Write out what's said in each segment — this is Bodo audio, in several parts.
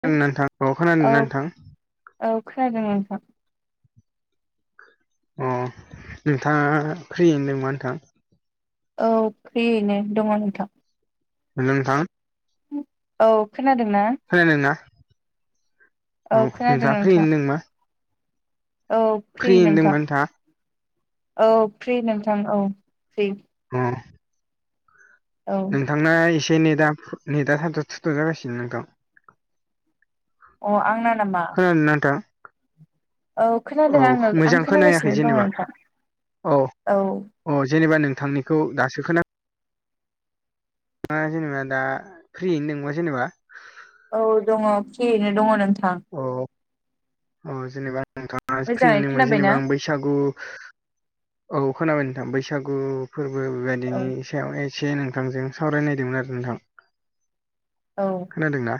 खोनादों नोंथां खोनादों औ नोंथां औ खोनादों नोंथां अ नोंथाङा फ्रियैनो दंङा नोंथां औ फ्रियैनो दङ नोंथां नोंथां औ खोनादोंना? खोनादों ना औ खोनादों नोंथाङ नोंथां फैहैनो नों मा। औ फ्रि नोंथां दोंबा नोंथाङा औ फ्रि नोंथां औ फ्रि। ह औ नोंथांना एसे नेदा नेदा थद थुद जागासिनो नोंथां। अ आंना नामा? थां औ खोनादों औ आङो आं मोजांखोनायाखै खोनागासिनो दङ जेनेबा नोंथां औ अ जेनेबा नोंथांनिखौ दासो खोना ना जेनेबा दा फ्रियैनो दंबा जेनेबा औ दङ फ्रियैनो दङ नोंथां अ अ जेनेबा नोंथाङा मोजाङै फ्रियैनो खोनाबायना जेनेबा आं बै बैसागु औ खोनाबाय नोंथां बैसागु फोरबो बे औ बे सायाव एसे नोंथांजों सावरायनायदोंमोन आरो नोंथां औ खोनादोंना?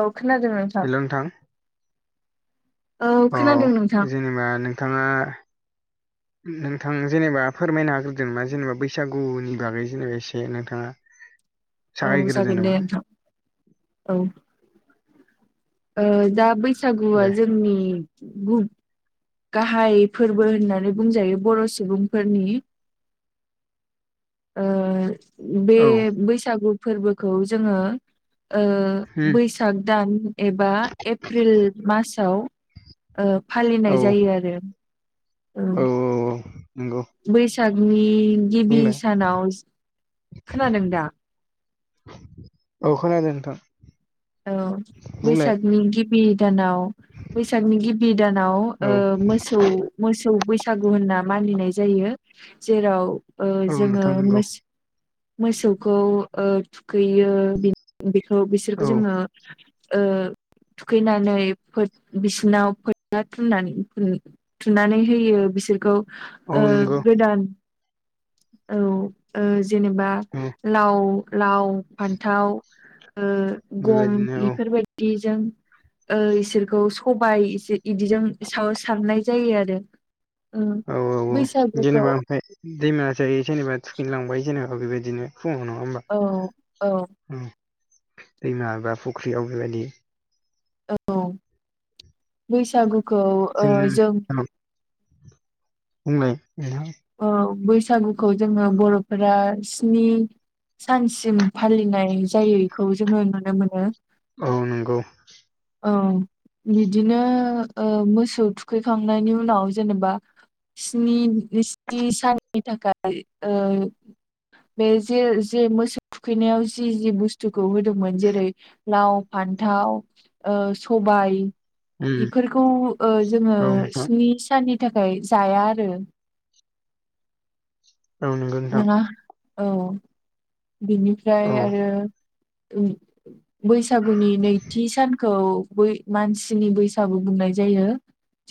औ खोनादोंमोन हेल नोंथां औ खोनादों नोंथां औ जेनेबा नोंथाङा। [inaudible] नोंथां जेनेबा फोरमायनो हाग्रोदोंबा जेनेबा बैसागुनि बागै जेनेबा एसे नोंथाङा। औ जागायग्रोदो जागोन दे नामा नोंथां औ जा बैसागुआ दे जोंनि। गाहाय फोरबो होननानै बुंजायो बर सुबुंफोरनि। ओ-बे औ बैसागु फोरबोखौ जोङो। उम ओ-बैसाग दान एबा एप्रिल मासाव। औ ओ-फालिनाय जायो आरो औ। नंगौ बैसागनि गिबि बुंलाय सानाव खोनादों दा? औ खोनादों नोंथां। औ बुंलाय बैसागनि गिबि दानाव। बैसागनि गिबि दानाव औ ओ-मोस मोसौ मोसौ बैसागु होनना मानिनाय जायो जेराव। औ ओ-जोङो नोंथां नंगौ मोस मोसौखौ ओ-थुखैयो बि-बेखौ औ जोङो ओ थुखैनानै बिसिनाव फो थुननानै थुनानै होयो बिसोरखौ औ नंगौ ओ-गोदान औ ओ-जेनेबा औ लाव लाव फान्थाव ओ-गम बेबायदिनो औ बेफोरबायदिजों। ओ-इसोरखौ सबाय बिदिजों स सारनाय जायो आरो उ बैसागुखौ। दैम जायो जेनेबा थुखिनलांबाय जेनेबा बेबायदिनो फुङाव नङा होमबा। औ औ दैमा ए फुख्रियाव बेबायदि औ बैसागुखौ ओ जों। बुंनाय नोंथां? औ बैसागुखौ जोङो बरफोरा स्नि सानसिम फालिनाय जायो बेखौ जोङो नुनो मोनो। औ नंगौ । औ । बिदिनो ओ मोसौ थुखैखांनायनि उनाव जेनेबा स्नि बे स्नि साननि थाखाय ओ बे जे जे मोसौ थुखैनायाव जि जि बुस्थुखौ होदोंमोन जेरै लाव फान्थाव ओ सबाय उम बेफोरखौ ओ जोङो औ नोंथां स्नि साननि थाखाय जाया आरो । औ नंगौ नोंथां नङा औ औ बिनिफ्राय आरो उम बैसागुनि नैथि सानखौ बै मानसिनि बैसागु बुंनाय जायो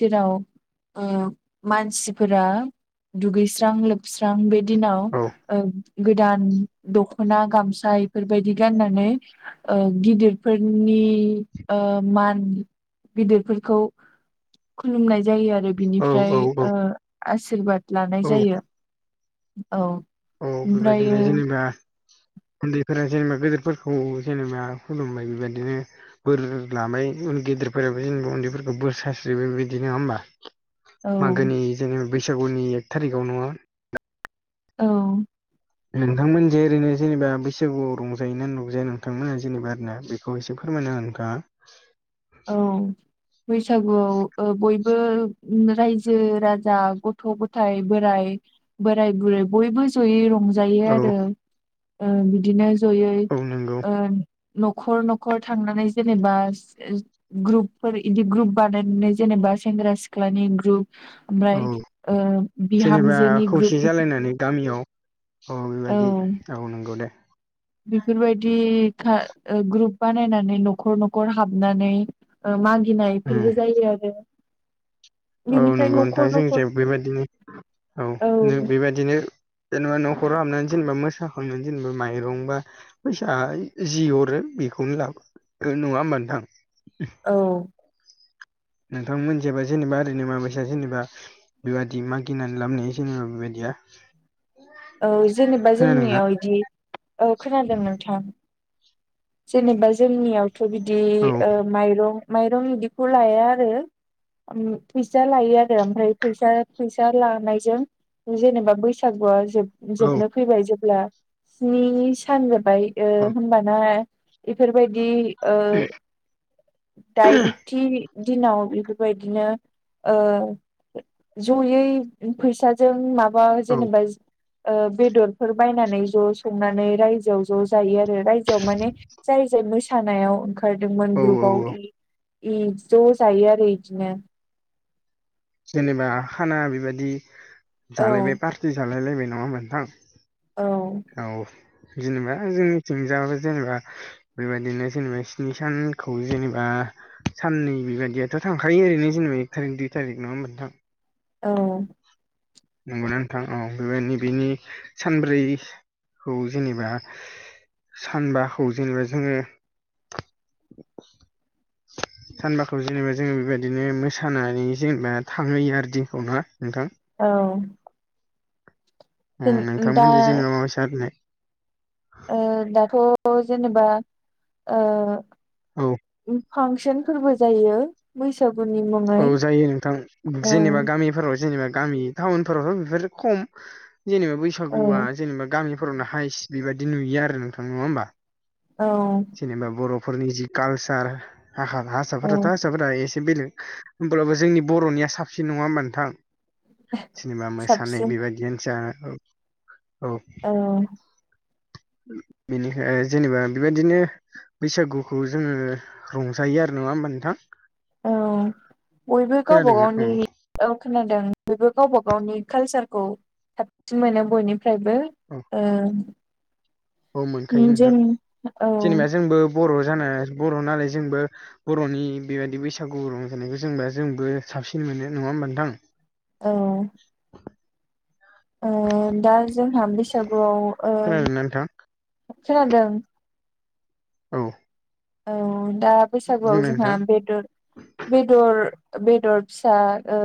जेराव। ओ-मानसिफोरा दुगैस्रां लोब बस्रां बे औ दिनाव ओ-गोदान दखना गामसा इफोरबायदि गाननानै ओ-गिदिरफोरनि ओ-मान गिदिरफोरखौ। खुलुमनाय जायो आर औ औ बिनिफ्राय ओ-आशिरबाद लानाय औ जायो औ। औ बेबायदिनो ओमफ्रायो जेनेबा। उन्दैफोरा जेनेबा गदिरफोरखौ जेनेबा खुलुमबाय बेबायदिनो। बोर, लाबाय उन, गेदेर फोराबो जेनेबा उन्दै फोरखौ बोर सस्रिबो बिदि नङा होमबा? औ मागोनि [unintelligible] बैसागुनि एक थारिखाव नङा? औ । नोंथांमोनजों ओरैनो जेनेबा बैसागुआव रंजायो ना नुजाया नोंथांमोना जेनबा आरोना? बेखौ एसे फोरमायनाहो नोंथाङा। औ । बैसागुआव ओ बयबो रायजो राजा गथ' गथाय बोराइ बोराय बुरै, बयबो जयै रं जायो औ आरो ओ बिदिनो जयै औ नंगौ ओ न'खर न'खर थांनानै जेनेबा ग्रुपफोर बिदि ग्रुप बानायनानै जेनेबा सेंग्रा सिख्लानि ग्रुप औ ओमफ्राय ओ जेनेबा बिहामजोनि ग्रुपनि [unintelligible] गामियाव औ बेबायदि औ नंगौ दे । बेफोरबायदि खा ओ ग्रुप बानायनानै न'खर न'खर हाबनानै ओ मागिनाय उम फोरबो जायो आरो । औ नंगौ नोंथां जोंनिथिंबो बेबायदिनो औ नों बेबायदिनो जेनेबा न'खराव हाबनानै जेनेबा मोसाखांनानै जेनेबा माइरं बा फैसा जि हरो बेखौनो लाबो नङा होमबा नोंथां? औ । नोंथां मोनथिंबा जेनेबा ओरै नो माबायसा जेनेबा बेबायदि मागिनानै लाबनाय जेनेबा बेबायदिया औ जेनेबा खोनादोंना जोंनियाव इदि औ खोनादों नोंथां । जेनेबा जोंनियावथ' बिदि औ ओ माइरं माइरं बिदिखौ लाया आरो । उम फैसा लायो आरो ओमफ्राय फैसा फैसा लानायजों जेनेबा बैसागुआ जोब औ जोबनो फैबाय जेब्ला स्नि सान जोबबाय ओ होनबाना इफोरबायदि ओ दाइनथि दिनाव बेफोरबायदिनो ओ जयै फैसा जों माबा औ जेनेबा ओ बेदरफोर बायनानै ज' संनानै रायजोआव ज' जायो आरो रायजोआव माने जाय जाय मोसानायाव ओंखारदोंमोन औ ग्रुपाव औ औ इ इ ज' जायो आरो इदिनो । जेनेबा खाना बेबायदि औ जालायबाय पार्टि जालाय लायबाय नङा होनबा नोंथां औ औ जेनेबा जोंनिथिं जायाबाबो जेनेबा बेबायदिनो जेनेबा स्नि सानखौ जेनेबा साननै बेबायदियाथ' थांखायो ओरैनो जेनेबा थारिख दुइ थारिख नङा नोंथां? औ नंगौ नोंथां औ बेबायनो बेनि सानब्रैखौ जेनेबा सानबाखौ जेनेबा जोङो [inaudible] सानबाखौ जेनेबा जोङो बेबायदिनो मोसानानै जेनेबा थांहोयो आरो दिनखौ ना नोंथां । औ । ओम दा नोंथांमोनजों जेनेबा माबायसा ओरैनो? ओ दाथ' जेनेबा ओ औ । पांसनफोरबो जायो । बैसागुनि मुं औ जायो नोंथां जेनेबा गामिफोराव जेनेबा गामि टाउनफोरावथ' बेफोरो खम जेनेबा औ बैसागुआ जेनेबा गामि फोराव हाइस्ट बेबायदि नुयो आरो नोंथां नङा होमबा? औ जेनेबा बर'फोरनि जि कालसार औ हारसाफोराथ' हारसाफोरा एसे बेलेग होमब्लाबो जोंनि बर'निया साबसिन नङा होमबा नोंथां? जेनेबा मोसानाय साबसिन बेबायदियानो जा औ औ औ औ बेनिखाय जेनेबा बेबायदिनो बैसागुखौ जोङो रंजायो आरो नङा होमबा नोंथां? औ बयबो गावबा खोनादोंना गावनि औ औ खोनादों बयबो गावबा गावनि कालसारखौ साबसिन मोनो बयनि फ्रायबो औ ओ औ मोनखायो नोंथां जों औ जेनेबा जोंबो बर' जाना बर' नालाय जोंबो बर'नि बेबायदि बैसागु रंजानायखौ जेनेबा जोंबो साबसिन मोनो नङा होमबा नोंथां? औ ओ दा जोंहा बैसागुआव ओ खोनादोंना नोंथां खोनादों औ औ दा बुंनो बैसागुआव नोंथां जोंहा बेदर बेदर बेदर फिसा ओ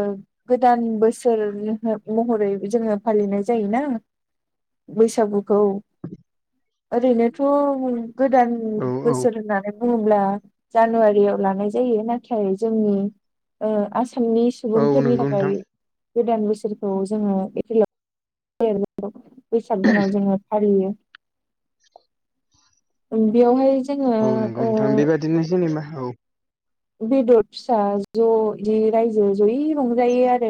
गोदान बोसोर महरै जोङो फालिनाय जायोना बैसागुखौ ओरैनोथ' गोदान औ औ बोसोर होनना बुङोब्ला जानुवारियाव लानाय जायो नाथाय जोंनि ओ आसामनि औ सुबुंफोरनि नंगौ नोंथां थाखाय गोदान बोसोरखौ जोङो एप्रिलाव [unintelligible] बैसाग दनाव जोङो फालियो। ओ बेयावहाय जोङो ओ बिदिनो जेनेबा औ बेदर फिसा ज' बिदि रायजो जयै रंजायो आरो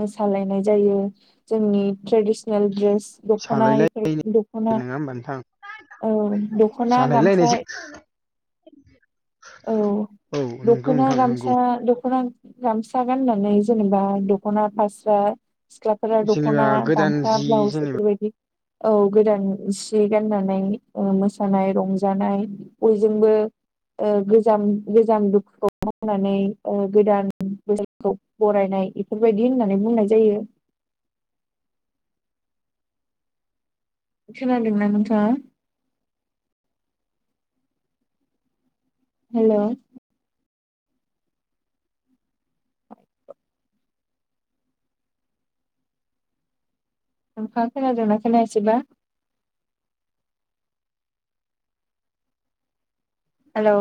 मोसालायनाय जायो जोंनि ट्रेडिसनेल ड्रेस दख'ना सालायलायो इफोर दख'ना नङा होमबा नोंथां औ दख'ना गामसा सालायलायनायसो [inaudible] औ औ नंगौ दख'ना नोंथां गामसा नंगौ दख'ना गामसा गाननानै जेनेबा दख'ना फास्रा सिख्लाफोरा जेनेबा दख'ना गोदान गामसा जि ब्लाउस जेनेबा एफोरबायदि औ गोदान सि गाननानै ओ मोसानाय रंजानाय बयजोंबो ओ गोजाम गोजाम दुखुखौ बावनानै गोदान जों जायखौ बरायनाय एफोरबायदि होननानै बुंनाय जायो। खोनादों ना नोंथाङा? हेल' नोंथां खोनादों ना खोनाया सैबा? हेलौ